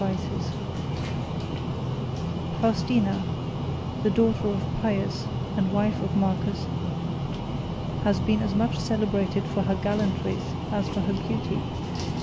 —W.] Faustina, the daughter of Pius and the wife of Marcus, has been as much celebrated for her gallantries as for her beauty.